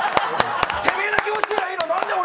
てめぇだけ落ちてりゃいいのに、何で俺。